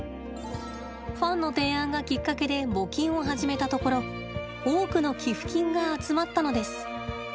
ファンの提案がきっかけで募金を始めたところ多くの寄付金が集まったのです。